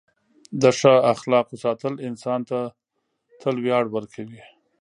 د ښه اخلاقو ساتل انسان ته تل ویاړ ورکوي.